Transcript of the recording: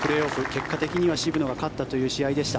結果的には渋野が勝ったという試合でした。